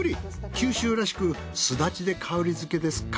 九州らしくスダチで香りづけですか。